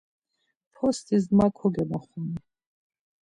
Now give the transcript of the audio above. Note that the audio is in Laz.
Postis ma kogemoxuni.